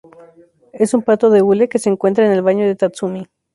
Es un pato de hule que se encuentra en el baño de Tatsumi.